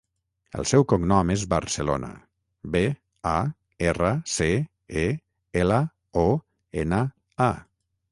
El seu cognom és Barcelona: be, a, erra, ce, e, ela, o, ena, a.